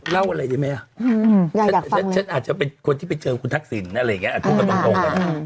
เล่าอะไรได้ไหมฉันอาจจะเป็นคนที่ไปเจอคุณทักษิณอะไรอย่างนี้พูดกันตรงกัน